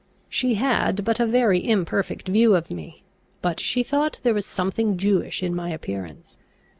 She had but a very imperfect view of me, but she thought there was something Jewish in my appearance.